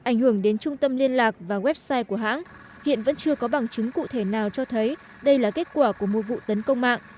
ảnh hưởng đến trung tâm liên lạc và website của hãng hiện vẫn chưa có bằng chứng cụ thể nào cho thấy đây là kết quả của một vụ tấn công mạng